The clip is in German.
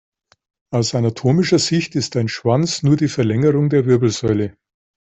Aus anatomischer Sicht ist ein Schwanz nur die Verlängerung der Wirbelsäule.